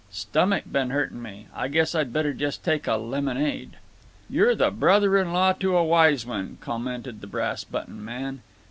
"Stummick been hurting me. Guess I'd better just take a lemonade." "You're the brother in law to a wise one," commented the Brass button Man.